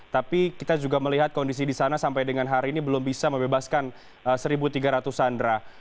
tapi kita juga melihat kondisi di sana sampai dengan hari ini belum bisa membebaskan satu tiga ratus sandra